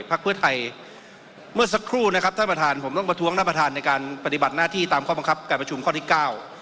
พักเพื่อไทยเมื่อสักครู่นะครับท่านประธานผมต้องประท้วงท่านประธานในการปฏิบัติหน้าที่ตามข้อบังคับการประชุมข้อที่เก้า